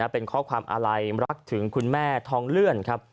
เป็นข้อความอาลัยรักถึงคุณแม่ทองเลื่อนครับ